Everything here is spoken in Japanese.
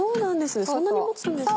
そんなに持つんですね。